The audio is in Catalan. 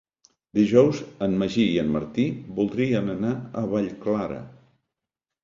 Dijous en Magí i en Martí voldrien anar a Vallclara.